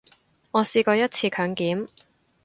我試過一次強檢